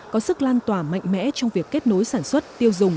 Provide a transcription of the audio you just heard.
có sức lan tỏa mạnh mẽ trong việc kết nối sản xuất tiêu dùng